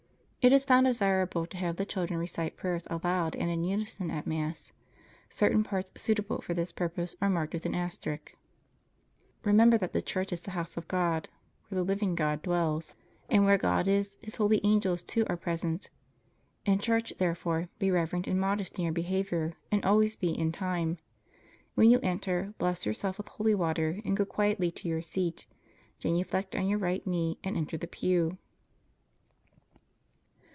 If it is found desirable to have the children recite prayers aloud and in unison at Mass, certain parts suitable for this purpose are marked with an asterisk (*).] Remember that the church is the house of God, where the living God dwells. And where God is, His holy angels too are present. In church, therefore, be reverent and modest in your behavior, and always be in time. When you enter, bless yourself with holy water and go quietly to your seat, genuflect on your right knee and enter the pew.